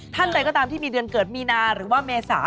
ท่านใดก็ตามที่มีเดือนเกิดมีนาหรือว่าเมษา